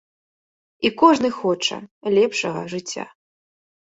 І кожны хоча лепшага жыцця.